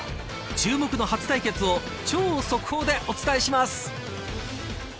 注目の初対決を超速報でお伝えします。